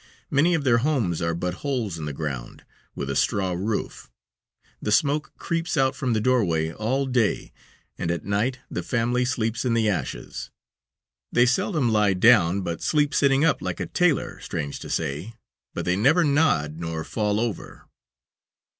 Many of their homes are but holes in the ground, with a straw roof. The smoke creeps out from the doorway all day, and at night the family sleep in the ashes. They seldom lie down, but sleep sitting up like a tailor, strange to say, but they never nod nor fall over.